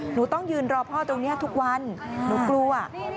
หนูต้องยืนรอพ่อตรงนี้ทุกวันหนูกลัว